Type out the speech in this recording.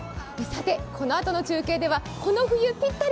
このあとの中継ではこの冬ぴったり！